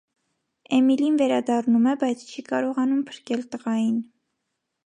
Էմիլին վերադառնում է, բայց չի կարողանում փրկել տղային։